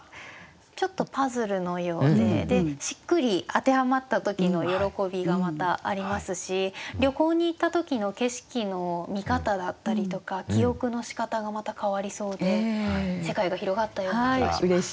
ちょっとパズルのようでしっくり当てはまった時の喜びがまたありますし旅行に行った時の景色の見方だったりとか記憶のしかたがまた変わりそうで世界が広がったような気がします。